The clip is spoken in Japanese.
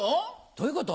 どういうこと？